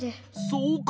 そうか！